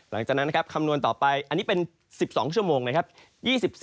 หลังจากนั้นนะครับคำนวณต่อไปอันนี้เป็น๑๒ชั่วโมงนะครับ